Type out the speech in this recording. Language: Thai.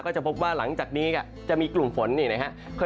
จะพบว่าหลังจากนี้ก็จะมีกลุ่มฝนนี่นะครับ